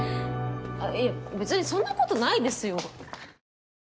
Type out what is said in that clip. あっいやべつにそんなことないですよ。